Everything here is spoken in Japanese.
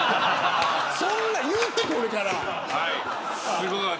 そんなん言ってこれから。